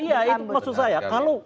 iya itu maksud saya